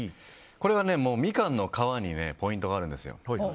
これはミカンの皮にポイントがあるんですよ。